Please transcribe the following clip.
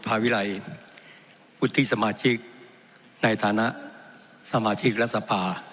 ภาวิรัยวุฒิสมาชิกในฐานะสมาชิกรัฐสภา